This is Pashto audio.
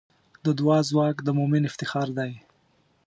د دعا ځواک د مؤمن افتخار دی.